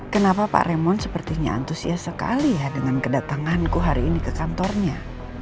kenapa pak remon sepertinya antusias sekali ya dengan kedatanganku hari ini ke kantornya